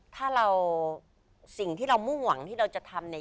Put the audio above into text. ถ้าเราสิ่งที่เรามุ่งหวังที่เราจะทำเนี่ย